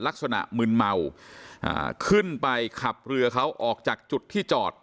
มึนเมาอ่าขึ้นไปขับเรือเขาออกจากจุดที่จอด